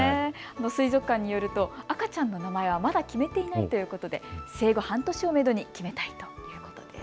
水族館によると赤ちゃんの名前はまだ決めていないということで生後半年をめどに決めたいということです。